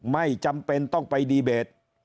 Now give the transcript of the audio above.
ไม่จำเป็นต้องไปดีเบต